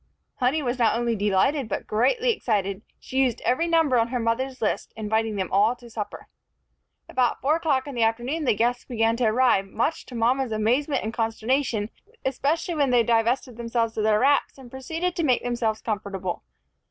Honey was not only delighted, but greatly excited. She used every number on her mother's list, inviting them all to supper. About four o'clock in the afternoon the guests began to arrive, much to mama's amazement and consternation, especially when they divested themselves of their wraps, and proceeded to make themselves comfortable.